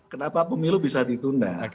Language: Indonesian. kenapa pemilu bisa ditunda